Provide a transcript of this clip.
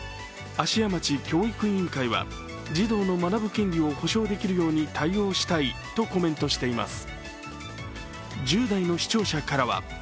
芦屋町教育委員会は児童の学ぶ権利を保障できるように対応したいとコメントしています。